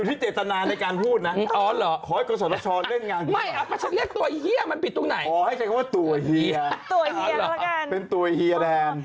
ตัวเฮียบ้างจะเป็นตัวเฮียแดม